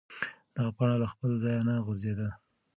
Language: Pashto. دغه پاڼه له خپل ځایه نه غورځېده.